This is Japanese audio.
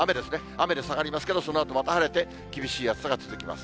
雨で下がりますけれども、そのあとまた晴れて、厳しい暑さが続きます。